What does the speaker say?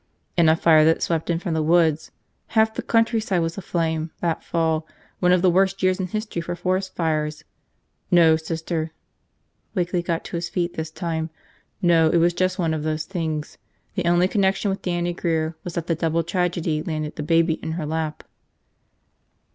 "In a fire that swept in from the woods. Half the countryside was aflame that fall, one of the worst years in history for forest fires. No, Sister." Wakeley got to his feet this time. "No, it was just one of those things. The only connection with Dannie Grear was that the double tragedy landed the baby in her lap."